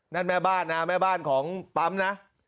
แม่บ้านนะแม่บ้านของปั๊มนะ